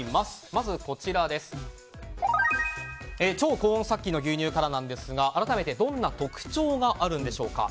まず、こちら超高温殺菌の牛乳からなんですが改めてどんな特徴があるんでしょうか。